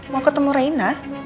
mau ketemu reina